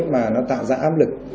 mà nó tạo ra áp lực